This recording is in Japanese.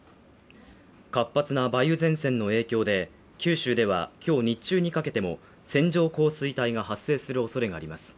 活発な梅雨前線の影響で、九州では今日日中にかけても、線状降水帯が発生するおそれがあります。